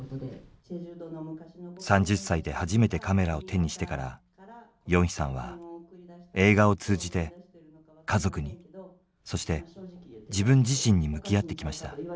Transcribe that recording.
３０歳で初めてカメラを手にしてからヨンヒさんは映画を通じて家族にそして自分自身に向き合ってきました。